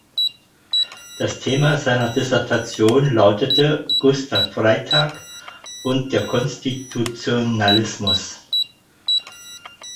Das Thema seiner Dissertation lautete "Gustav Freytag und der Konstitutionalismus".